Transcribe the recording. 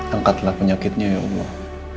angkatlah penyakitnya ya allah